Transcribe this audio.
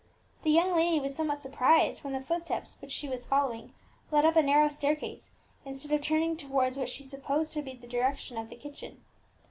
The young lady was somewhat surprised when the footsteps which she was following led up a narrow staircase, instead of turning towards what she supposed to be the direction of the kitchen.